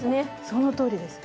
そのとおりです。